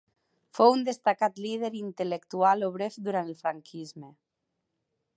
Fou un destacat líder i intel·lectual obrer durant el franquisme.